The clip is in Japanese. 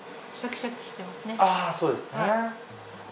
あぁそうですね。